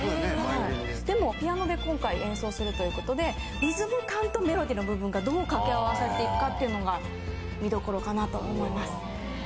でもピアノで今回演奏するということでリズム感とメロディーの部分がどう掛け合わさっていくかっていうのが見どころかなと思います。